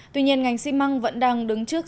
tuy nhiên ngành xi măng vẫn đang đứng trước